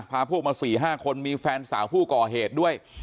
พาพวกมา๔๕คนมีแฟนสาวผู้ก่อเหตุด้วย